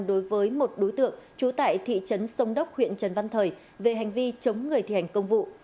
đối với một đối tượng trú tại thị trấn sông đốc huyện trần văn thời về hành vi chống người thi hành công vụ